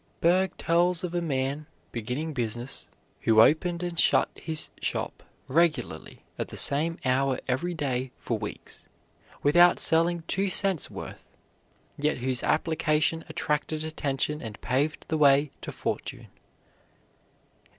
Bergh tells of a man beginning business who opened and shut his shop regularly at the same hour every day for weeks, without selling two cents' worth, yet whose application attracted attention and paved the way to fortune.